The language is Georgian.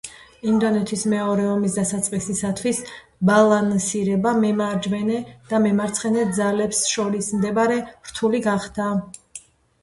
ინდოჩინეთის მეორე ომის დასაწყისისათვის ბალანსირება მემარჯვენე და მემარცხენე ძალებს შორის შედარებით რთული გახდა.